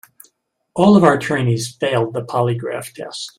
All of our trainees failed the polygraph test.